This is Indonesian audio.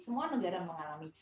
semua negara mengalami